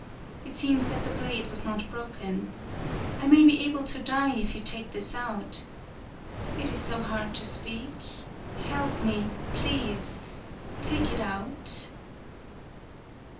It seems that the blade was not broken. I may be able to die if you take this out. It is so hard to speak. Help me, please. Take it out.'